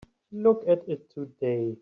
Look at it today.